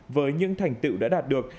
với những thành tựu đã đạt được